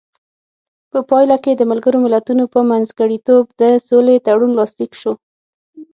په پایله کې د ملګرو ملتونو په منځګړیتوب د سولې تړون لاسلیک شو.